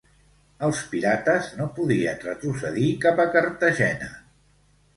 Els pirates no podien retrocedir cap a Cartagena.